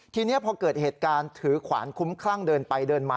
ทีนี้พอเกิดเหตุการณ์ถือขวานคุ้มคลั่งเดินไปเดินมา